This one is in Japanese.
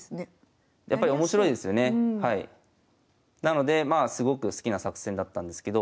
なのでまあすごく好きな作戦だったんですけど。